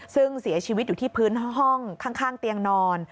ซึ่งเสียชีวิตอยู่ที่พื้นห้องข้างเตียงนอน